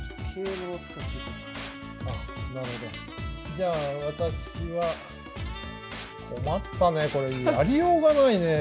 じゃあ私は困ったねこれやりようがないねえ。